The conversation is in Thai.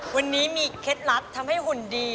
วันนี้มีเคล็ดลับทำให้หุ่นดี